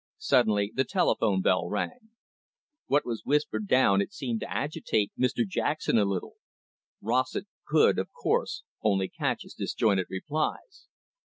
Suddenly, the telephone bell rang. What was whispered down it seemed to agitate Mr Jackson a little. Rossett could, of course, only catch his disjointed replies.